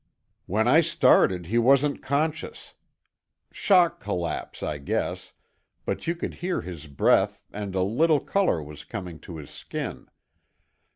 "When I started he wasn't conscious. Shock collapse, I guess, but you could hear his breath and a little color was coming to his skin.